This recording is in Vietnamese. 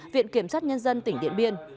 viện kiểm soát nhân dân tỉnh điện biên